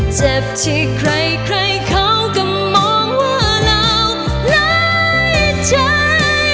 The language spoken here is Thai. เจ็บที่ใครเขาก็มองว่าเราได้ใช้